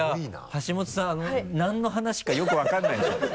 橋本さんなんの話かよく分かんないでしょ？